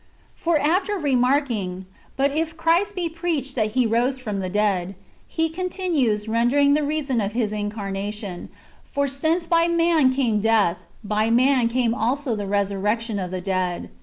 For after remarking, " But if Christ be preached, that He rose from the dead/'^ he continues, rendering the reason of His incarnation, '* For since by man came death, by man [came] also the resurrection of the dead."